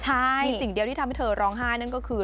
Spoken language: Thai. มีสิ่งเดียวที่ทำให้เธอร้องไห้นั่นก็คือ